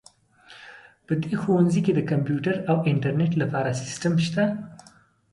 په دې ښوونځي کې د کمپیوټر او انټرنیټ لپاره سیسټم شته